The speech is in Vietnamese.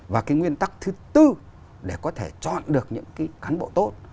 và cái nguyên tắc thứ tư để có thể chọn được những cái cán bộ tốt